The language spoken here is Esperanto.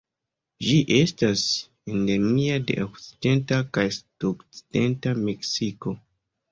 Ĝi estas endemia de okcidenta kaj sudokcidenta Meksiko.